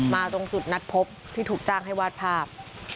ตรงจุดนัดพบที่ถูกจ้างให้วาดภาพ